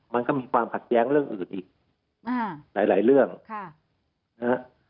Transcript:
มันก็มีความขัดแย้งเรื่องอื่นอีกหลายหลายเรื่องค่ะนะฮะ